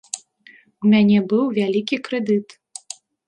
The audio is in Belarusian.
У мяне быў вялікі крэдыт.